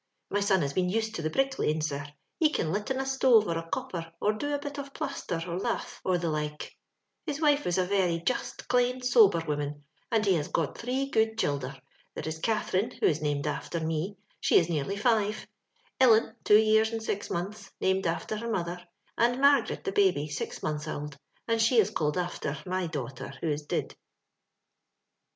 Mj rou ha.^^ been used to t)ie bdcklaving, ^ir : he can lit in a stote or a eopper, or do a bit of pbisther or latb, Gs the like, Hb wife Is a fery just, eUna, dobcr woman, and he has g:ot three good diilder; tliere is Catherine^ who la named aAher tne, she is nearly firet Ulen^ two years and £ti montbo, named after her mother; and Mar garet^ the tiaWf six months oiild— ^and sb« iS called alther my daughter, who Is did.